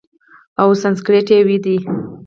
او سانسکریت ویی دی،